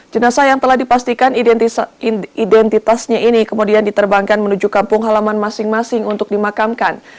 jenazah yang telah dipastikan identitasnya ini kemudian diterbangkan menuju kampung halaman masing masing untuk dimakamkan